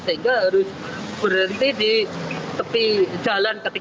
sehingga harus berhenti di jalan ketiga